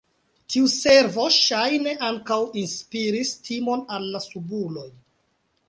Tiu servo ŝajne ankaŭ inspiris timon al la subuloj.